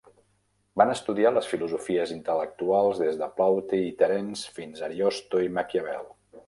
Van estudiar les filosofies intel·lectuals des de Plaute i Terence fins a Ariosto i Maquiavel.